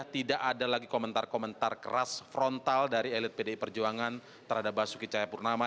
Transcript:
tidak ada lagi komentar komentar keras frontal dari elit pdi perjuangan terhadap basuki cahayapurnama